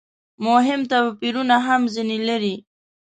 مهم توپیرونه هم ځنې لري.